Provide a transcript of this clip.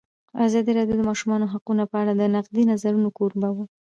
ازادي راډیو د د ماشومانو حقونه په اړه د نقدي نظرونو کوربه وه.